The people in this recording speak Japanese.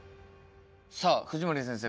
さあ藤森先生